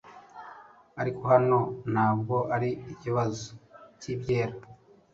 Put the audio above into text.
Ariko hano ntabwo ari ikibazo cyibyera;